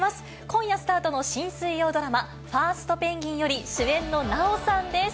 今夜スタートの新水曜ドラマ、ファーストペンギン！より、主演の奈緒さんです。